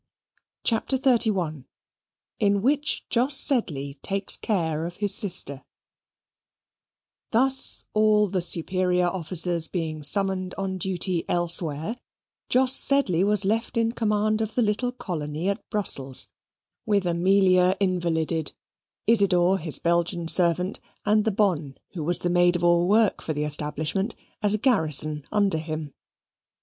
CHAPTER XXXI In Which Jos Sedley Takes Care of His Sister Thus all the superior officers being summoned on duty elsewhere, Jos Sedley was left in command of the little colony at Brussels, with Amelia invalided, Isidor, his Belgian servant, and the bonne, who was maid of all work for the establishment, as a garrison under him.